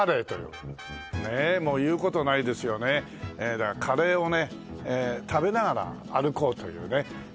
だからカレーをね食べながら歩こうというね。